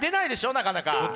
なかなか。